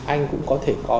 anh cũng có thể có